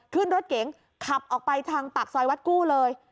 ขึ้นรถเก๋งขับออกไปทางปากซอยวัดกู้เลย